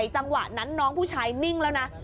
จังหวะนั้นน้องผู้ชายนิ่งแล้วนะ